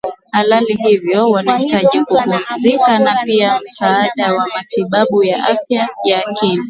halali hivyo wanahitaji kupumzika na pia msaada wa matibabu ya afya ya akili